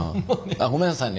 ごめんなさいね。